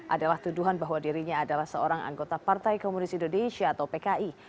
adalah tuduhan bahwa dirinya adalah seorang anggota partai komunis indonesia atau pki